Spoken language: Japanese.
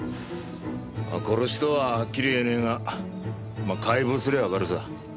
まあ殺しとははっきり言えねえがまあ解剖すりゃあわかるさ。